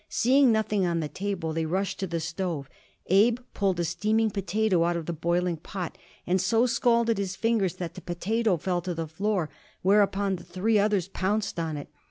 Seeing nothing on the table, they rushed to the stove. Abe pulled a steaming potato out of the boiling pot, and so scalded his fingers that the potato fell to the floor; whereupon the three others pounced on it.